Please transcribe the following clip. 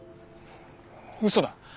嘘だ。